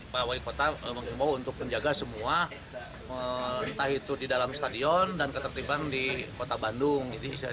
pak wali kota mengimbau untuk menjaga semua entah itu di dalam stadion dan ketertiban di kota bandung